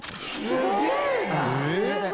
すげえな！